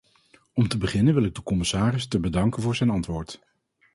Om te beginnen wil ik de commissaris te bedanken voor zijn antwoord.